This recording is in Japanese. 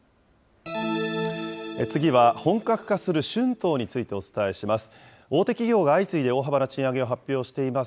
次は、本格化する春闘についてお伝えします。